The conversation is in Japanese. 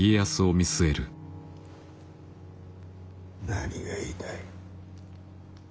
何が言いたい。